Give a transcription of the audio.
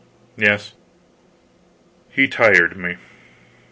Yes, he tired me.